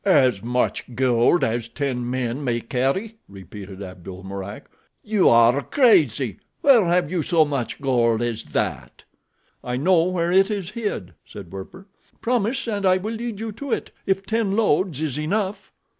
"As much gold as ten men may carry!" repeated Abdul Mourak. "You are crazy. Where have you so much gold as that?" "I know where it is hid," said Werper. "Promise, and I will lead you to it—if ten loads is enough?"